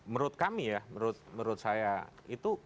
menurut kami ya menurut saya itu